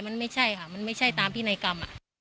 มันไม่ใช่ค่ะมันไม่ใช่ตามพินัยกรรม